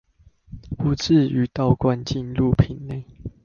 不致於倒灌進入瓶內